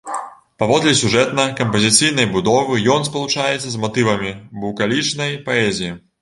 Паводле сюжэтна-кампазіцыйнай будовы ён спалучаецца з матывамі букалічнай паэзіі.